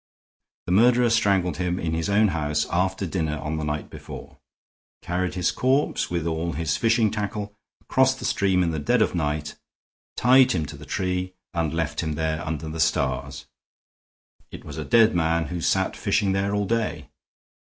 The murderer strangled him in his own house after dinner on the night before, carried his corpse, with all his fishing tackle, across the stream in the dead of night, tied him to the tree, and left him there under the stars. It was a dead man who sat fishing there all day.